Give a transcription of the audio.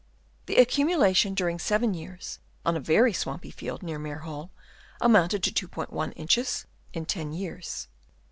The accumulation during 7 years on a very swampy field near Maer Hall amounted to 2 * 1 inches in 10 years.